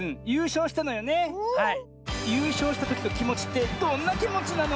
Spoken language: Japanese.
ゆうしょうしたときのきもちってどんなきもちなの？